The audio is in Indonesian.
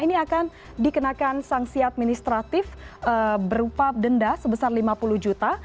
ini akan dikenakan sanksi administratif berupa denda sebesar lima puluh juta